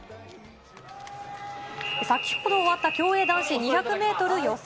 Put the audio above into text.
先ほど終わった競泳男子２００メートル予選。